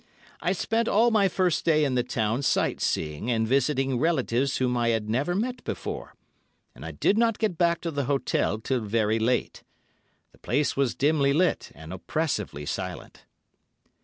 I spent all my first day in the town sight seeing and visiting relatives whom I had never met before, and I did not get back to the hotel till very late. The place was dimly lit and oppressively silent.